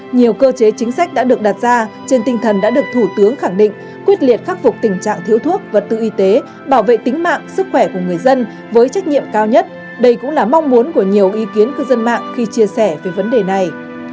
nhiều cơ chế chính sách đã được đặt ra trên tinh thần đã được thủ tướng khẳng định quyết liệt khắc phục tình trạng thiếu thuốc vật tư y tế bảo vệ tính mạng sức khỏe của người dân với trách nhiệm cao nhất đây cũng là mong muốn của nhiều ý kiến cư dân mạng khi chia sẻ về vấn đề này